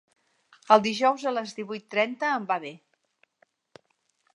El dijous a les divuit trenta em va bé.